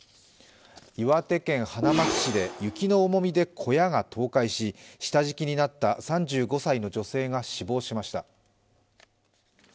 岩手県花巻市で雪の重みで小屋が倒壊し、下敷きになった３５歳の女性が死亡しました。